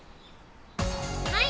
はい！